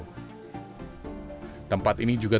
tempat ini juga telah diperlukan oleh pemerintah